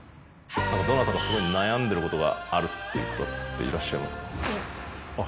どなたかすごく悩んでることがあるっていう方っていらっしゃいますか？